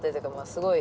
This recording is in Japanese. すごい。